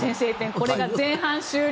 これが前半終了